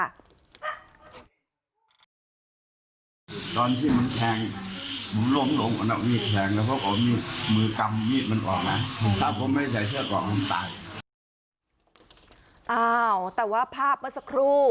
อ้าวแต่ว่าภาพเมื่อสักครู่